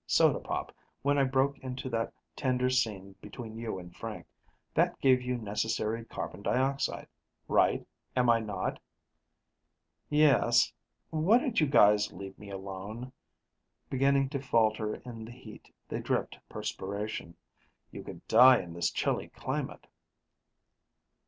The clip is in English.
Soda pop, when I broke into that tender scene between you and Frank that gave you necessary carbon dioxide, right, am I not?" "Yes ... Why don't you guys leave me alone?" Beginning to falter in the heat, they dripped perspiration. "You could die in this chilly climate."